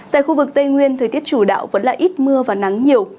tại khu vực tây nguyên thời tiết chủ đạo vẫn là ít mưa và nắng nhiều